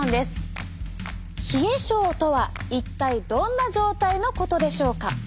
冷え症とは一体どんな状態のことでしょうか？